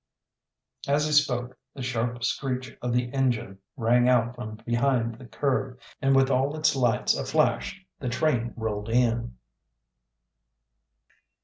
As he spoke the sharp screech of the engine rang out from behind the curve, and with all its lights aflash the train rolled in.